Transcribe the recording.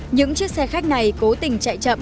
những chiếc xe khách này cố tình chạy chậm